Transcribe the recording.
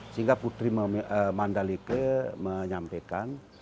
sehingga putri mandalika menyampaikan